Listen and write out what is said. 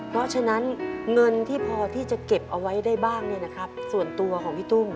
เพราะฉะนั้นเงินที่พอที่จะเก็บเอาไว้ได้บ้างส่วนตัวของพี่ตุ้ม